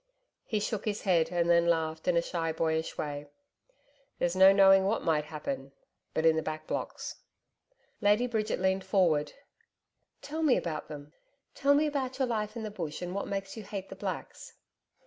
He shook his head, and then laughed in a shy, boyish way. 'There's no knowing what might happen but in the Back Blocks.' Lady Bridget leaned forward. 'Tell me about them Tell me about your life in the Bush and what makes you hate the Blacks.'